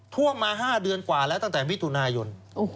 ท่วมมา๕เดือนกว่าแล้วตั้งแต่มิถุนายน